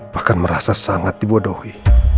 bahkan merasa sangat dibodohi